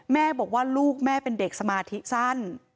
แม่บอกว่าลูกแม่เป็นเด็กสมาธิสั้น